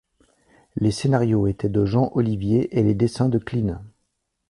Les scénarios étaient de Jean Ollivier et les dessins de Kline.